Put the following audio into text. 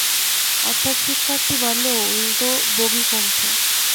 অর্থাৎ শিক্ষার্থী বাড়লেও উল্টো বগি কমছে।